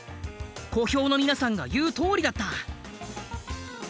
小兵の皆さんが言うとおりだった。